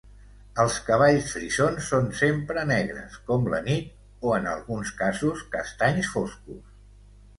Els cavalls frisons són sempre negres com la nit o, en alguns casos, castanys foscos.